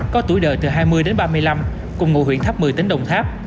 có tuổi đời từ hai mươi đến ba mươi năm cùng ngụ huyện tháp mười tỉnh đồng tháp